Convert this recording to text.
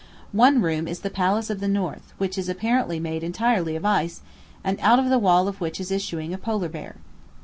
One room is the "Palace of the North," which is apparently made entirely of ice, and out of the wall of which is issuing a polar bear.